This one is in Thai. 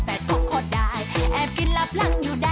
แค่ผู้ชายกระโลกรา